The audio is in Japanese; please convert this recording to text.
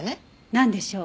なんでしょう？